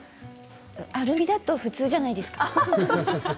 アルミだと普通じゃないですか。